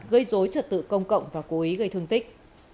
gây dối trật tự công cộng và cố ý gây thương tích